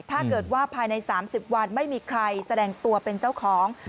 ถ้าเกิดว่าภายใน๓๐วันไม่มีใครแสดงตัวเป็นเจ้าของ